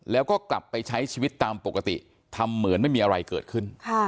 แล้วก็กลับไปใช้ชีวิตตามปกติทำเหมือนไม่มีอะไรเกิดขึ้น